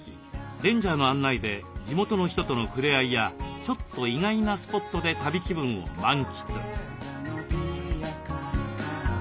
レンジャーの案内で地元の人との触れ合いやちょっと意外なスポットで旅気分を満喫。